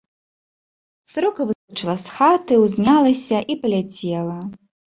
Сарока выскачыла з хаты, узнялася і паляцела.